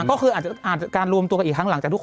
ก็คืออาจจะการรวมตัวกันอีกครั้งหลังจากทุกคน